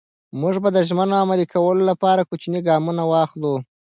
موږ به د ژمنو عملي کولو لپاره کوچني ګامونه واخلو.